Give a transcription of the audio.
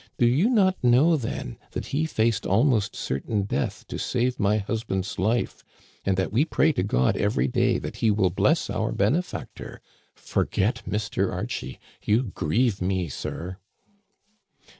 Do you not know, then, that he faced almost certain death to save my husband's life, and that we pray to God every day that he will bless our benefactor.? Forget Mr. Archie ! You grieve me, sir."